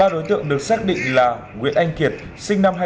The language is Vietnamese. ba đối tượng được xác định là nguyễn anh kiệt sinh năm hai nghìn